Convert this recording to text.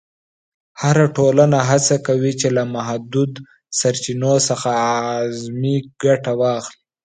هره ټولنه هڅه کوي چې له محدودو سرچینو څخه اعظمي ګټه واخلي.